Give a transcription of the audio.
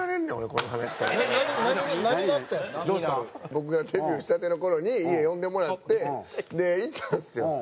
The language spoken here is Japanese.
僕がデビューしたての頃に家呼んでもらって行ったんですよ。